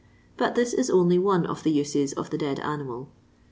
But this is only one of the uses of the dead animal.